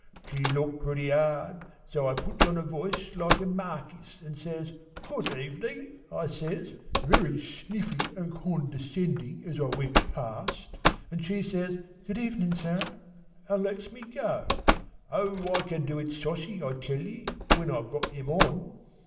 She looked pretty 'ard, so I puts on a voice like a markis, an' 'Good evenin'! I says, very sniffy an' condercendin' as I went past, and she says 'Good evenin', sir,' an' lets me go. Oh, I can do it sossy, I tell ye, when I've got 'em on!